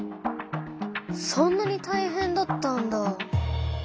そんなにたいへんだったんだ。